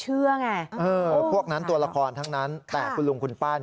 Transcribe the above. อืม